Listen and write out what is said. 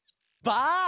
ばあ！